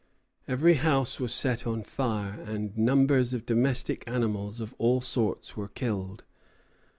Every house was set on fire, and numbers of domestic animals of all sorts were killed.